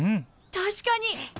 確かに！